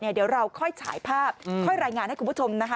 เดี๋ยวเราค่อยฉายภาพค่อยรายงานให้คุณผู้ชมนะคะ